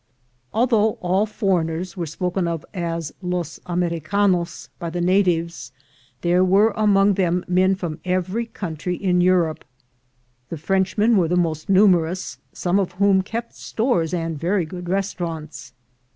Although all foreigners were spoken of as los Americanos by the natives, there were among them men from every country in Europe. The Frenchmen were the most numerous, some of whom kept stores and very good restaurants.